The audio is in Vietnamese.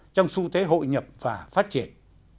trong xu thế hội nhập và phát triển